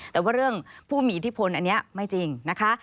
แต่ว่าเรื่องผู้มีอิทธิพลอันนี้ไม่จริงนะคะ